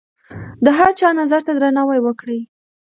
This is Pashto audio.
د هر چا نظر ته درناوی وکړئ.